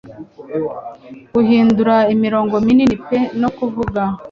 Guhindura imirongo minini pe no kuvuga